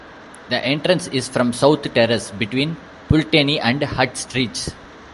The entrance is from South Terrace, between Pulteney and Hutt Streets.